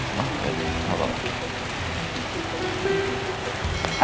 oke enggak apa apa